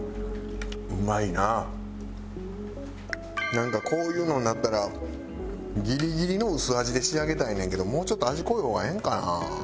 なんかこういうのになったらギリギリの薄味で仕上げたいねんけどもうちょっと味濃い方がええんかな？